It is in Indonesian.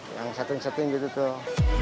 yang satu satunya gitu tuh